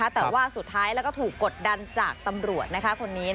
แต่ว่าสุดท้ายแล้วก็ถูกกดดันจากตำรวจคนนี้